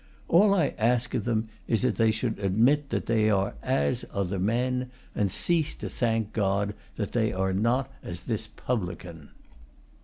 All I ask of them is that they should admit that they are as other men, and cease to thank God that they are not as this publican.